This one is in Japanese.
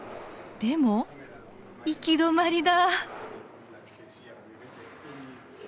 でも行き止まりだ。